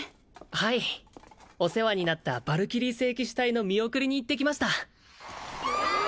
はいお世話になったヴァルキリー聖騎士隊の見送りに行ってきました